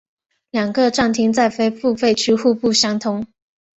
两个站厅在非付费区互不相通。